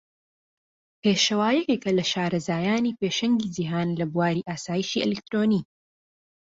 پێشەوا یەکێکە لە شارەزایانی پێشەنگی جیهان لە بواری ئاسایشی ئەلیکترۆنی.